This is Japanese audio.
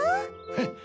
フッ。